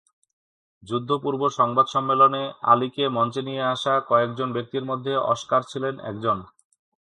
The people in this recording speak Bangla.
যুদ্ধ-পূর্ব সংবাদ সম্মেলনে আলিকে মঞ্চে নিয়ে আসা কয়েকজন ব্যক্তির মধ্যে অস্কার ছিলেন একজন।